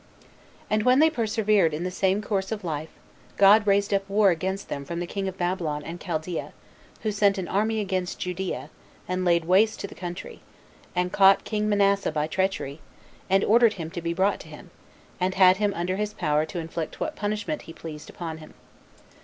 2. And when they persevered in the same course of life, God raised up war against them from the king of Babylon and Chaldea, who sent an army against Judea, and laid waste the country; and caught king Manasseh by treachery, and ordered him to be brought to him, and had him under his power to inflict what punishment he pleased upon him.